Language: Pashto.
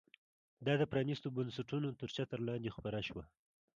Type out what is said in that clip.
دا د پرانیستو بنسټونو تر چتر لاندې خپره شوه.